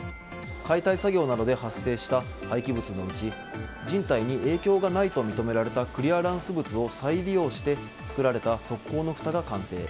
解体作業などで発生した廃棄物のうち人体に影響がないと認められたクリアランス物を再利用して作られた側溝のふたが完成。